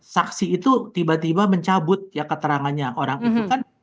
saksi itu tiba tiba mencabut ya keterangannya orang itu kan